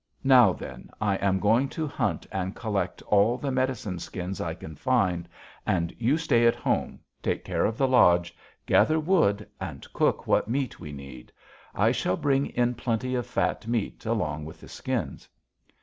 Now, then, I am going to hunt and collect all the medicine skins I can find, and you stay at home, take care of the lodge, gather wood, and cook what meat we need. I shall bring in plenty of fat meat along with the skins.'